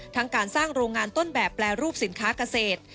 ทั้งการสร้างโรงงานต้นแบบแปรรูปสินค้าเกษตร